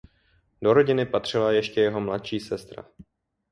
Do rodiny patřila ještě jeho mladší sestra.